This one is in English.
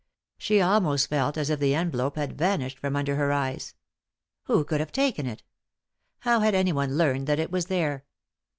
She almost felt as if the envelope had vanished from under her eyes. Who could have taken it ? How had anyone learned that it was there